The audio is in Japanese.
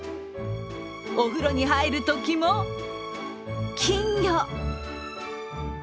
お風呂に入るときも金魚。